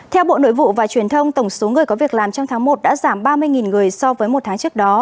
theo bộ nội vụ và truyền thông tổng số người có việc làm trong tháng một đã giảm ba mươi người so với một tháng trước đó